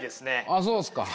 あっそうですか。